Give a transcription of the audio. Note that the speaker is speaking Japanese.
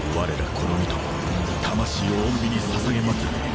この身と魂を御身にささげまつる。